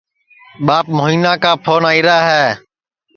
ٻاپ موہینا کی پھون آئیرا ہے